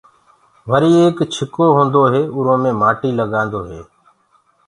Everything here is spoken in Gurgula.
وري ايڪ ڇڪو هوندو هي اُرو مي مآٽي لگآندو هي۔